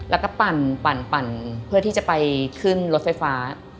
แล้วก็ปั่นเพื่อที่จะไปขึ้นรถไฟฟ้า